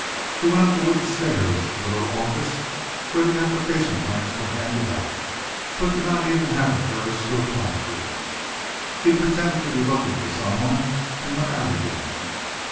He went up the wooden stairs to the little office where the application blanks were handed out, but did not even have the courage to apply for one. He pretended to be looking for someone and went out again.